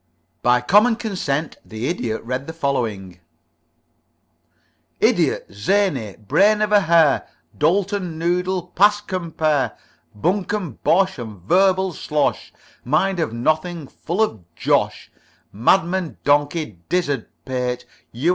By common consent the Idiot read the following: "Idiot, zany, brain of hare, Dolt and noodle past compare, Buncombe, bosh, and verbal slosh, Mind of nothing, full of josh, Madman, donkey, dizzard pate, U.